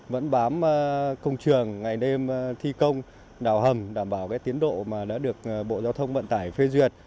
vẫn bám công trường ngày đêm thi công đào hầm đảm bảo tiến độ mà đã được bộ giao thông vận tải phê duyệt